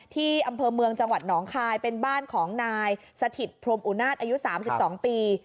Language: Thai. ที่อำเภอเมืองจังหวัดหนองคายเป็นบ้านของนายสถิตพรมอุนาศอายุ๓๒ปี